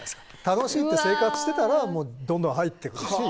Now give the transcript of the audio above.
楽しい！って生活してたらどんどん入って来るし。